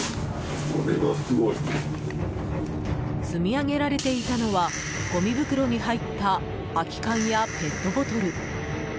積み上げられていたのはごみ袋に入った空き缶やペットボトル。